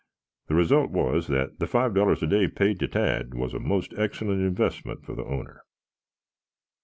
The result was that the five dollars a day paid to Tad was a most excellent investment for the owner.